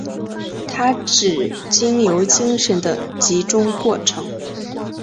它是指经由精神的集中过程。